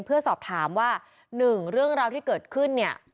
เพื่อสอบถามว่าหนึ่งเรื่องราวที่เกิดขึ้นเนี่ย